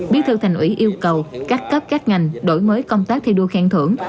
bí thư thành ủy yêu cầu các cấp các ngành đổi mới công tác thi đua khen thưởng